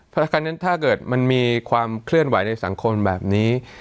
เพราะฉะนั้นถ้าเกิดมันมีความเคลื่อนไหวในสังคมแบบนี้